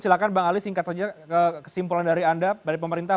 silahkan bang ali singkat saja kesimpulan dari anda dari pemerintah